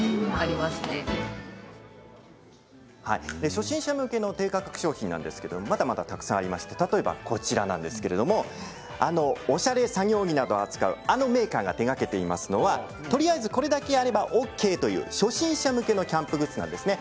初心者向けの低価格商品なんですがまだまだたくさんありまして例えば、こちらおしゃれ作業着などを扱うあのメーカーが手がけていますのは、とりあえずこれだけあればＯＫという初心者向けのキャンプグッズなんですね。